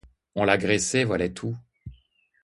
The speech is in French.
On la graissait, voilà tout!